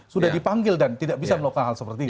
sudah dipanggil dan tidak bisa melakukan hal seperti itu